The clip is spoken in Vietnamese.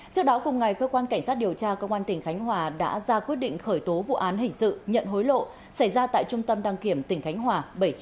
trước đó cùng ngày cơ quan cảnh sát điều tra công an tỉnh khánh hòa đã ra quyết định khởi tố vụ án hình dự nhận hối lộ xảy ra tại trung tâm đăng kiểm tỉnh khánh hòa bảy nghìn chín trăm linh một